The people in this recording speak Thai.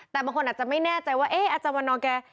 แต่บางคนอาจจะไม่แน่ใจว่าเอ๊ะอาจารย์วันนอร์แก